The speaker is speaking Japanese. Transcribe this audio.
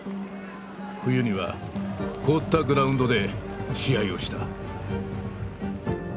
冬には凍ったグラウンドで試合をした。